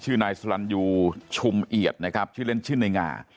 ชื่อนายสรรญิวชุมเอียดนะครับชื่อเล่นชื่อในง่า